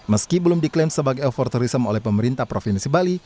meski belum diklaim sebagai afforturism oleh pemerintah provinsi bali